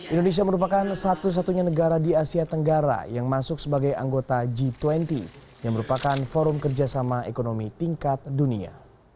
indonesia merupakan satu satunya negara di asia tenggara yang masuk sebagai anggota g dua puluh yang merupakan forum kerjasama ekonomi tingkat dunia